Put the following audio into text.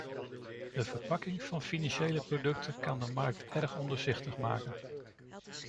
De verpakking van financiële producten kan de markten erg ondoorzichtig maken.